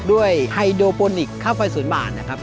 ด้วยไฮโดโปนิกข้าวไฟศูนย์บ่านนะครับ